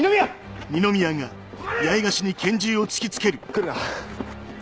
来るな。